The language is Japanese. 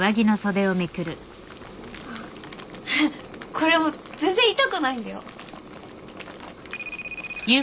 これもう全然痛くないんだよ。